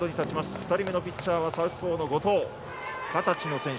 ２人目のピッチャーはサウスポーの後藤。